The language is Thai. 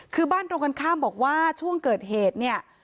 คือบ้านตรงกันข้ามบอกว่าช่วงเกิดเหตุเนี่ย